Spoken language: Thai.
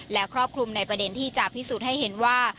และครอบคลุมในประเด็นที่จะพิสูจน์ให้เห็นว่า